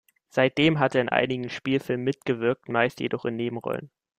Seitdem hat er in einigen Spielfilmen mitgewirkt, meist jedoch in Nebenrollen.